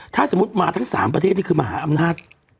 ถ้าสมมุติมาทั้ง๓ประเทศนี่คือมหาอำนาจ